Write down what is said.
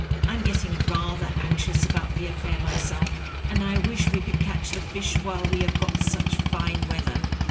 I'm getting rather anxious about the affair myself, and I wish we could catch the fish while we have got such fine weather."